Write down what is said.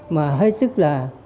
mà hết sức là